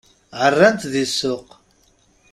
Ɛerran-t di ssuq.